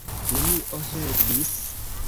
Nenio helpis.